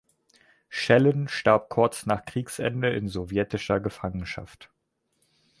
Schellen starb kurz nach Kriegsende in sowjetischer Gefangenschaft.